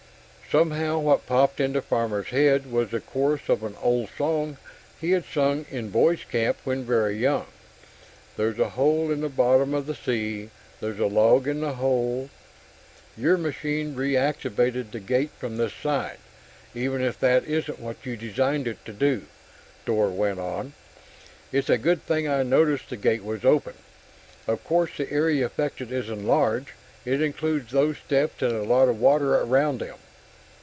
Somehow, what popped into Farmer's head was the chorus of an old song he had sung in boy's camp when very young. "There's a hole in the bottom of the sea! There's a log in the hole...." "Your machine reactivated the gate from this side, even if that isn't what you designed it to do," Dor went on. "It's a good thing I noticed the gate was open. Of course, the area affected isn't large it includes those steps and a lot of water around them.